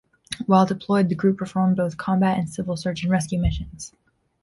While deployed the group performed both combat and civil search and rescue missions.